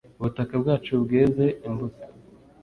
Ubutaka bwacu bweze imbuto